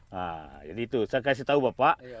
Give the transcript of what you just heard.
nah jadi itu saya kasih tahu bapak